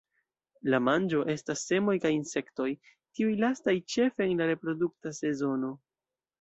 La manĝo estas semoj kaj insektoj, tiuj lastaj ĉefe en la reprodukta sezono.